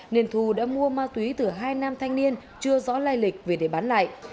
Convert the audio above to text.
nên thu đã mua ma túy từ hai nam thanh niên chưa rõ lai lịch về để bán lại